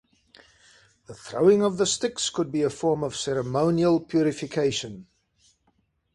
The throwing of the sticks could be a form of ceremonial purification.